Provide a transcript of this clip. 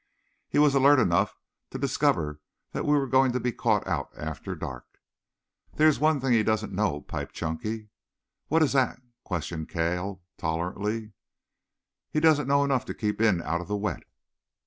He was alert enough to discover that we were going to be caught out after dark." "There is one thing he doesn't know," piped Chunky. "What is that?" questioned Cale tolerantly. "He doesn't know enough to keep in out of the wet."